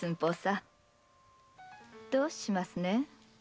どうします？